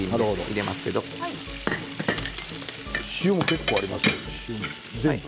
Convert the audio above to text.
塩も結構、ありますね。